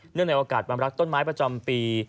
เนื่องในโอกาสบำรักต้นไม้ประจำปี